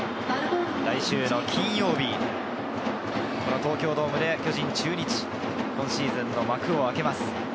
来週金曜日、東京ドームで巨人・中日、今シーズンの幕を開けます。